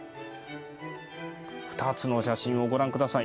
２つの写真をご覧ください。